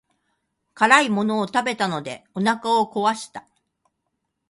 辛いものを食べたのでお腹を壊した。